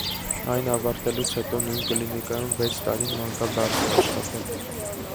Այն ավարտելուց հետո նույն կլինիկայում վեց տարի մանկաբարձ է աշխատել։